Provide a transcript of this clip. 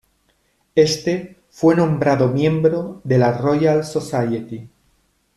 Éste fue nombrado miembro de la Royal Society.